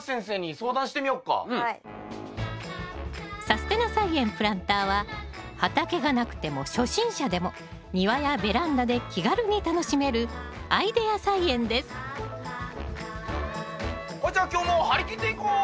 「さすてな菜園プランター」は畑がなくても初心者でも庭やベランダで気軽に楽しめるアイデア菜園ですほいじゃあ今日も張り切っていこう！